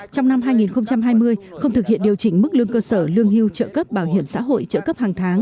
trong năm hai nghìn hai mươi không thực hiện điều chỉnh mức lương cơ sở lương hưu trợ cấp bảo hiểm xã hội trợ cấp hàng tháng